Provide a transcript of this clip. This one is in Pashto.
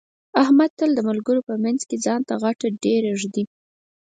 احمد تل د ملګرو په منځ کې ځان ته غټه ډېره ږدي.